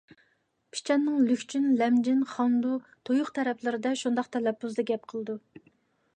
پىچاننىڭ لۈكچۈن، لەمجىن، خاندۇ، تۇيۇق تەرەپلىرىدە شۇنداق تەلەپپۇزدا گەپ قىلىدۇ.